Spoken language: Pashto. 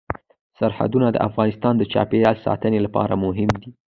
سرحدونه د افغانستان د چاپیریال ساتنې لپاره مهم دي.